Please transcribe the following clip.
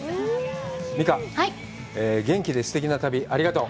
美佳、元気ですてきな旅、ありがとう！